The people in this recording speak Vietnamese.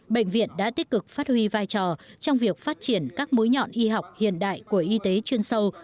bệnh viện đã tích cực phát huy vai trò trong việc phát triển các mũi nhọn y học hiện đại của y tế chuyên sâu